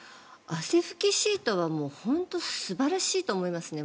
汗拭きシートは本当に素晴らしいと思いますね。